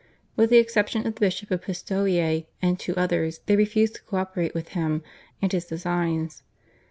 With the exception of the Bishop of Pistoia and two others they refused to co operate with him and his designs.